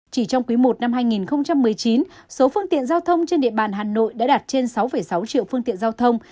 chỉ trong quý i năm hai nghìn một mươi chín số phương tiện giao thông trên địa bàn hà nội đã đạt trên sáu sáu triệu phương tiện giao thông